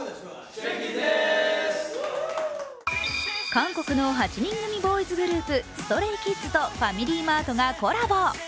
韓国の８人組ボーイズグループＳｔｒａｙＫｉｄｓとファミリーマートがコラボ。